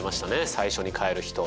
最初に帰るひと。